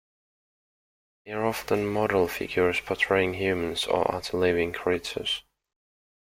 They are often model figures portraying humans or other living creatures.